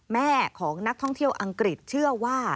แม่ของนักท่องเที่ยวอังกฤษเชื่อว่า